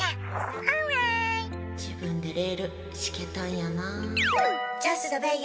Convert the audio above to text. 自分でレール敷けたんやなあ。